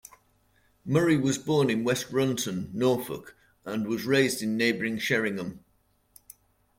Murray was born in West Runton, Norfolk, and was raised in neighbouring Sheringham.